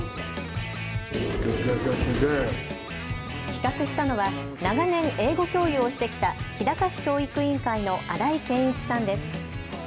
企画したのは長年、英語教諭をしてきた日高市教育委員会の新井健一さんです。